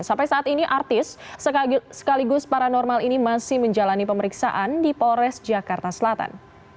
sampai saat ini artis sekaligus paranormal ini masih menjalani pemeriksaan di polres jakarta selatan